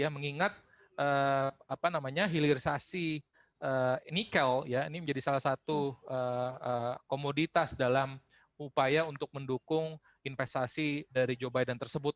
mengingat hilirisasi nikel ini menjadi salah satu komoditas dalam upaya untuk mendukung investasi dari joe biden tersebut